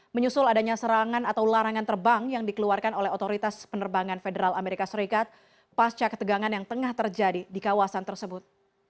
menyusul adanya serangan atau larangan terbang yang dikeluarkan oleh otoritas penerbangan federal amerika serikat pasca ketegangan yang tengah terjadi di kawasan tersebut